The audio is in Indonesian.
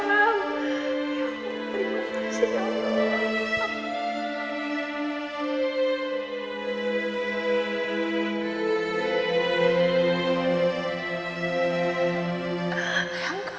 terima kasih papa